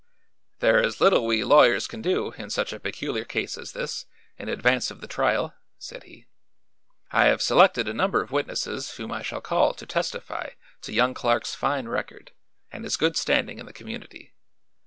"There is little we lawyers can do, in such a peculiar case as this, in advance of the trial," said he. "I have selected a number of witnesses whom I shall call to testify to young Clark's fine record and his good standing in the community.